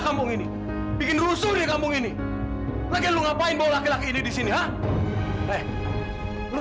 kampung ini bikin rusuh di kampung ini lagi lu ngapain bawa laki laki ini di sini ya eh lu